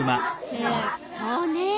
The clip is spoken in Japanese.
そうね。